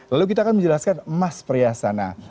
lalu kita akan menjelaskan emas perhiasan